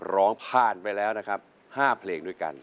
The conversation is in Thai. ร้องผ่านไปแล้วนะครับ๕เพลงด้วยกัน